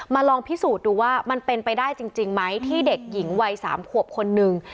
ลองพิสูจน์ดูว่ามันเป็นไปได้จริงไหมที่เด็กหญิงวัย๓ขวบคนนึง